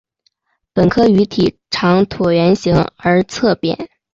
本科鱼体长椭圆形而侧扁。